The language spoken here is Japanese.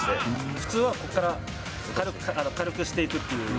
普通はここから軽くしていくという。